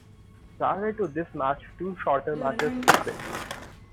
Prior to this match two shorter matches took place.